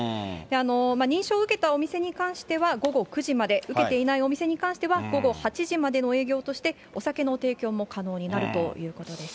認証を受けたお店に関しては午後９時まで、受けていないお店に関しては午後８時までの営業として、お酒の提供も可能になるということです。